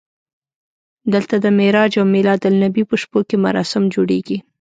دلته د معراج او میلادالنبي په شپو کې مراسم جوړېږي.